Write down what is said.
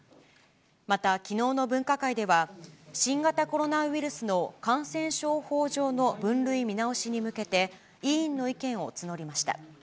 また、きのうの分科会では、新型コロナウイルスの感染症法上の分類見直しに向けて、委員の意見を募りました。